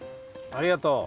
ありがとう！